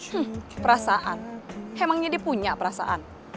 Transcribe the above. hmm perasaan emangnya dia punya perasaan